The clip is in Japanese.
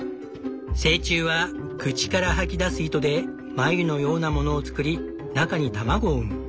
成虫は口から吐き出す糸でまゆのようなものを作り中に卵を産む。